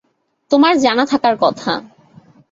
তোমার জানা থাকার কথা।